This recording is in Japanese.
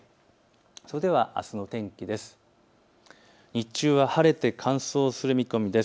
それではあすの天気です。